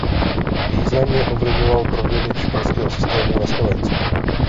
Významně ovlivňoval proměny školského systému na Slovensku.